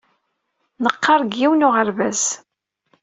Neqqar deg yiwen n uɣerbaz.